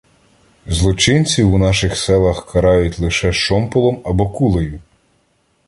Злочинців у наших селах карають лише шомполом або кулею.